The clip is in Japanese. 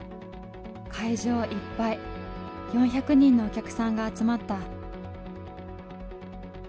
会場いっぱい４００人のお客さんが集まった。